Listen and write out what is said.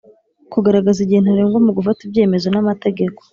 kugaragaza igihe ntarengwa mu gufata ibyemezo n'amategeko